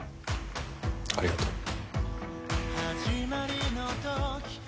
ありがとう。